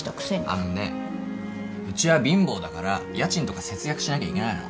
あのねうちは貧乏だから家賃とか節約しなきゃいけないの。